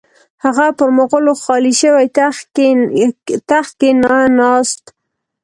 هغه پر مغولو خالي شوي تخت کښې نه ناست.